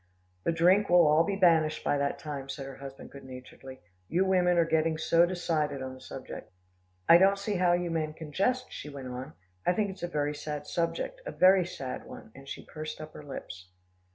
"The drink will all be banished by that time," said her husband good naturedly. "You women are getting so decided on the subject." "I don't see how you men can jest," she went on. "I think it's a very sad subject a very sad one," and she pursed up her lips.